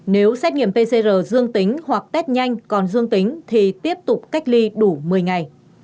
nếu xét nghiệm pcr dương tính hoặc test nhanh còn dương tính thì tiếp tục cách ly đủ một mươi ngày